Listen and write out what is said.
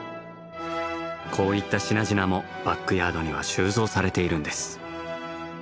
こういった品々もバックヤードには収蔵されているんです。